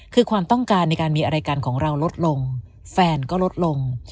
คือความต้องการในการมีอะไรกันของเราลดลงแฟนก็ลดลง